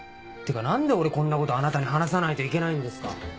ってか何で俺こんなことあなたに話さないといけないんですか！